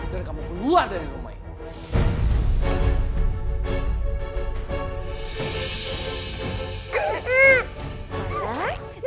dan kamu keluar dari rumah ini